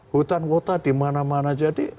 hutan kota dimana mana jadi